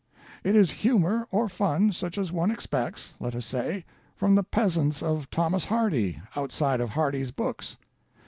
It is humor or fun such as one expects, let us say, from the peasants of Thomas Hardy, outside of Hardy's books.